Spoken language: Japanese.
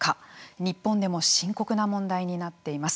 日本でも深刻な問題になっています。